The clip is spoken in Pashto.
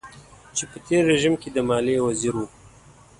چې په تېر رژيم کې د ماليې وزير و.